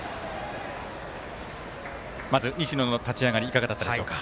まず西野の立ち上がりいかがだったでしょうか。